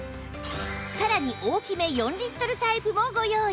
さらに大きめ４リットルタイプもご用意